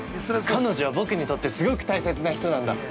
彼女は僕にとって、すごく大切な人なんだ。